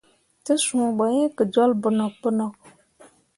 Te suu ɓo yi ke jol bonok bonok.